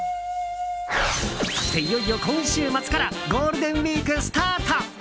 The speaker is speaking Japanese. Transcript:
そして、いよいよ今週末からゴールデンウィークスタート。